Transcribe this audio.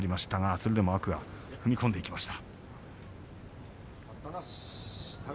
それでも天空海踏み込んでいきました。